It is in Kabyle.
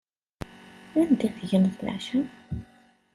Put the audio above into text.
Anda tegneḍ leɛca?